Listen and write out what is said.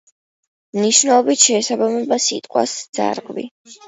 მნიშვნელობით შეესაბამება სიტყვას „ძარღვი“.